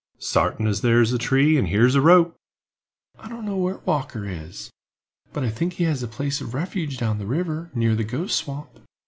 "Sartain as there's a tree and here's a rope." "I don't know where Walker is, but I think he has a place of refuge down the river, near the Ghost Swamp.